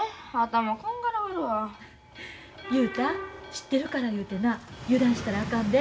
知ってるからいうてな油断したらあかんで。